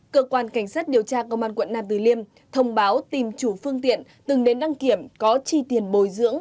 cơ quan cảnh sát điều tra công an quận nam từ liêm thông báo tìm chủ phương tiện từng đến đăng kiểm có chi tiền bồi dưỡng